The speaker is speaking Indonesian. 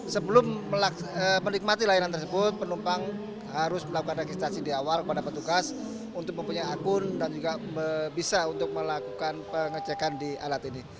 sebelum menikmati layanan tersebut penumpang harus melakukan registrasi di awal kepada petugas untuk mempunyai akun dan juga bisa untuk melakukan pengecekan di alat ini